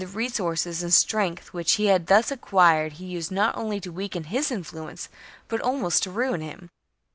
resources and strength which he thus acquired he used not only to weaken his influence, but almost to ruin him.